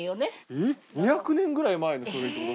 えっ２００年くらい前の書類ってこと？